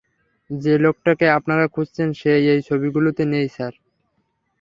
যে লোকটাকে আপনারা খুঁজছেন সে এই ছবিগুলোতে নেই, স্যার।